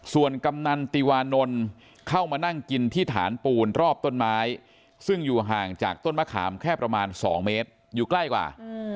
ส่วนกำนันติวานนท์เข้ามานั่งกินที่ฐานปูนรอบต้นไม้ซึ่งอยู่ห่างจากต้นมะขามแค่ประมาณ๒เมตรอยู่ใกล้กว่า